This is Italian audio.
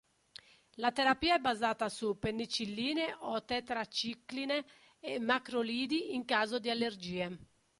La terapia è basata su penicilline o tetracicline e macrolidi in caso di allergie.